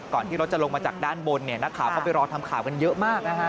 ก่อนที่รถจะลงมาจากด้านบนนักข่าวเข้าไปรอทำข่าวกันเยอะมาก